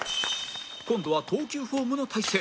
今度は投球フォームの体勢